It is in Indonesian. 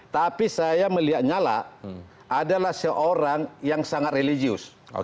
tapi saya melihatnya lah adalah seorang yang sangat religius